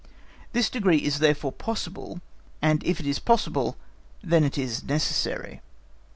This degree is therefore possible, and if it is possible then it is necessary.